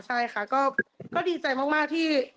ใช่ค่ะก็ดีใจมากที่